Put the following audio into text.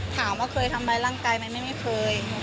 ถามว่าเคยทำร้ายร่างกายไหมไม่เคย